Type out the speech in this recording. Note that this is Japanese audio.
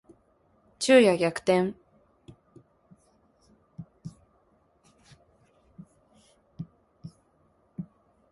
昼夜逆転